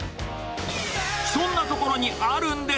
そんな所にあるんです